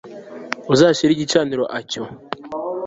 Uzashyire igicaniro a cyo